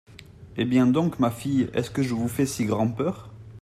Eh bien, donc, ma fille ! est-ce que je vous fais si grand’peur ?